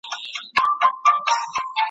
نه یې وېره د خالق نه د انسان وه ,